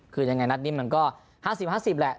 คือยังไงนัดนิ่มมันก็๕๐๕๐แหละ